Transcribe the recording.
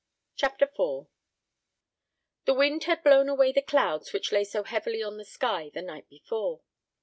CHAPTER IV. The wind had blown away the clouds which lay so heavy on the sky the night before.